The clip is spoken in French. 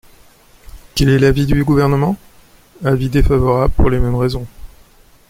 Quel est l’avis du Gouvernement ? Avis défavorable pour les mêmes raisons.